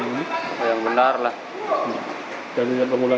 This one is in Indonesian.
nggak akan mulai lagi